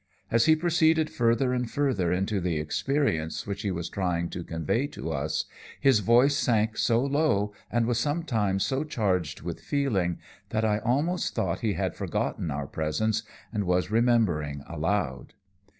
As he proceeded further and further into the experience which he was trying to convey to us, his voice sank so low and was sometimes so charged with feeling, that I almost thought he had forgotten our presence and was remembering aloud.